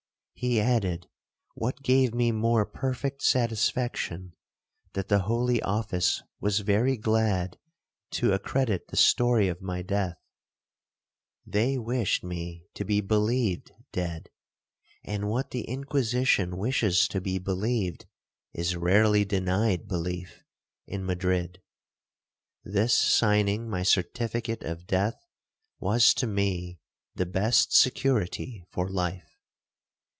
He added, what gave me more perfect satisfaction, that the holy office was very glad to accredit the story of my death; they wished me to be believed dead, and what the Inquisition wishes to be believed, is rarely denied belief in Madrid. This signing my certificate of death, was to me the best security for life.